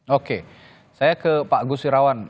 oke saya ke pak gus irawan